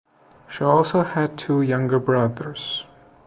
She also had two younger brothers.